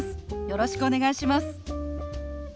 よろしくお願いします。